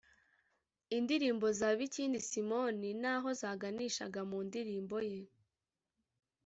indirimbo za bikindi simon ni aho zaganishaga mu ndirimbo ye